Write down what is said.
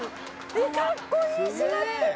「えっかっこいい！しまってる！」